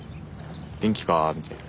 元気か？みたいな。